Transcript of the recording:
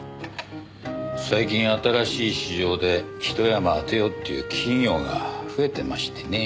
最近新しい市場でひと山当てようっていう企業が増えてましてね。